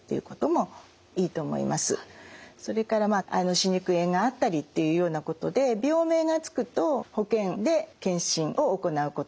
それから歯肉炎があったりっていうようなことで病名が付くと保険で健診を行うこともあります。